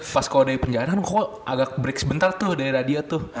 pas kalo dari penjaraan koko agak break sebentar tuh dari radio tuh